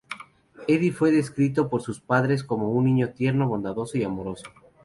Eddie fue descrito por sus padres como un niño tierno, bondadoso, y amoroso.